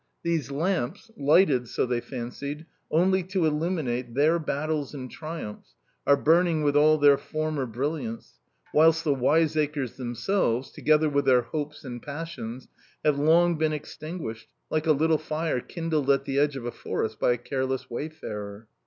These lamps, lighted, so they fancied, only to illuminate their battles and triumphs, are burning with all their former brilliance, whilst the wiseacres themselves, together with their hopes and passions, have long been extinguished, like a little fire kindled at the edge of a forest by a careless wayfarer!